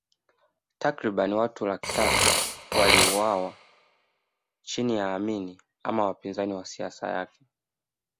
Takriban watu laki tatu waliuawa chini ya Amin ama wapinzani wa siasa yake